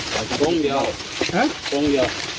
ตรงเดียว